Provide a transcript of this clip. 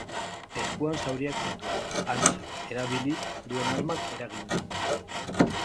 Eskuan zauriak zituen, antza, erabili duen armak eraginda.